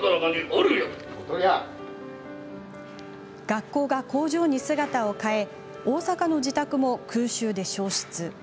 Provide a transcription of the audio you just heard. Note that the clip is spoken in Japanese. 学校が工場に姿を変え大阪の自宅も空襲で焼失。